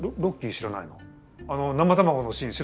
知らないの？